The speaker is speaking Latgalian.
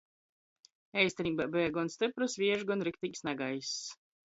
Eistineibā beja gon styprs viejš, gon rikteigs nagaiss.